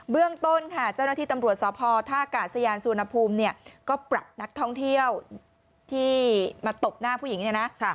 เรื่องต้นค่ะเจ้าหน้าที่ตำรวจสพท่ากาศยานสุวรรณภูมิเนี่ยก็ปรับนักท่องเที่ยวที่มาตบหน้าผู้หญิงเนี่ยนะ